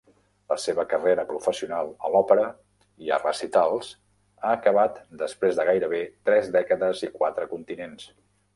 La seva carrera professional a l'òpera i a recitals ha acabat després de gairebé tres dècades i quatre continents.